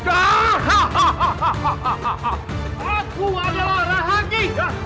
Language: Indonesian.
aku adalah ragi